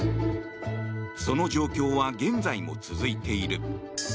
その状況は現在も続いている。